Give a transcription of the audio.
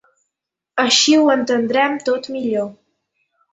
Així ho entendrem tot millor.